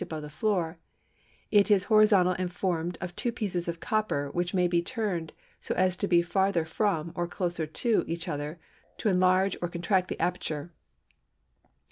above the floor; it is horizontal and formed of two pieces of copper, which may be turned so as to be farther from, or closer to, each other to enlarge or contract the aperture.